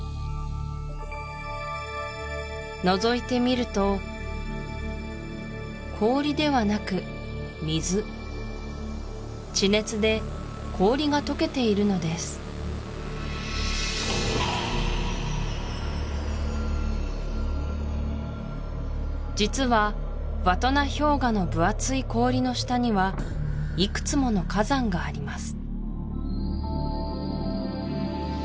のぞいてみると氷ではなく水地熱で氷がとけているのです実はヴァトナ氷河の分厚い氷の下にはいくつもの火山があります